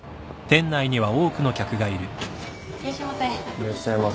いらっしゃいませ。